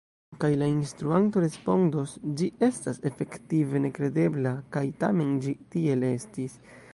Kaj la instruanto respondos: « ĝi estas efektive nekredebla, kaj tamen ĝi tiel estis!